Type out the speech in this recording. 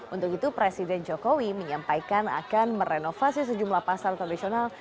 untuk itu presiden jokowi menyampaikan akan merenovasi sejumlah pasar tradisional